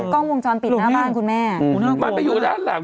กล้องวงจรปิดหน้าบ้านคุณแม่มันไปอยู่ด้านหลัง